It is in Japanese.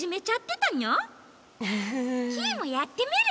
ウフフ。キイもやってみる！